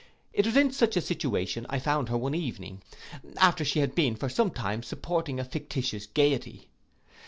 It was in such a situation I found her one evening, after she had been for some time supporting a fictitious gayety.